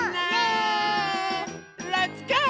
レッツゴー！